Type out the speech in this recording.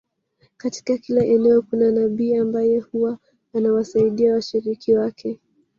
Katika kila eneo kuna nabii ambaye huwa anawasaidia washiriki wake